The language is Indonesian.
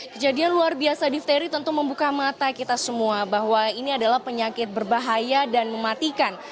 kejadian luar biasa difteri tentu membuka mata kita semua bahwa ini adalah penyakit berbahaya dan mematikan